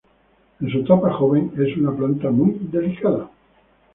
En su etapa joven es una planta muy delicada.